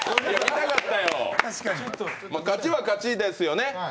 勝ちは勝ちですよね。